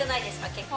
結構。